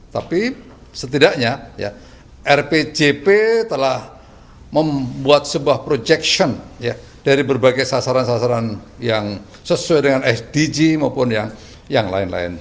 tapi setidaknya rpjp telah membuat sebuah projection dari berbagai sasaran sasaran yang sesuai dengan sdg maupun yang lain lain